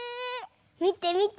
みてみて。